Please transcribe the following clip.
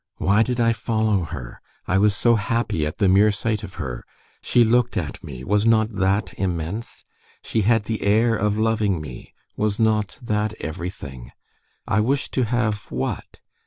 "Why did I follow her? I was so happy at the mere sight of her! She looked at me; was not that immense? She had the air of loving me. Was not that everything? I wished to have, what?